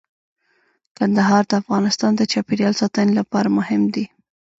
کندهار د افغانستان د چاپیریال ساتنې لپاره مهم دي.